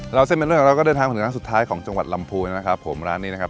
เส้นเป็นเรื่องของเราก็เดินทางมาถึงร้านสุดท้ายของจังหวัดลำพูนนะครับผมร้านนี้นะครับ